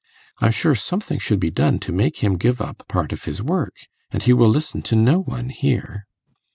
I'm sure something should be done to make him give up part of his work, and he will listen to no one here.